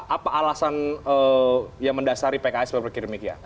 apa alasan yang mendasari pki seperti demikian